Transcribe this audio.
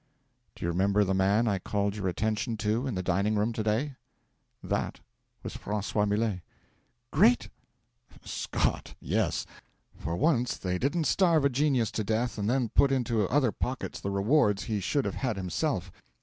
'Do you remember the man I called your attention to in the dining room to day? That was Francois Millet.' 'Great ' 'Scott! Yes. For once they didn't starve a genius to death and then put into other pockets the rewards he should have had himself.